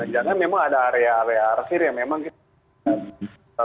jangan memang ada area area arsir yang memang kita